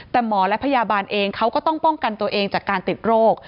แต่หมอและพยาบาลเองเขาก็ต้องป้องกันตัวเองจากการติดโรค